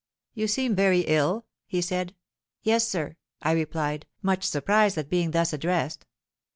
'You seem very ill?' he said. 'Yes, sir,' I replied, much surprised at being thus addressed.